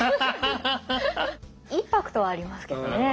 インパクトはありますけどね。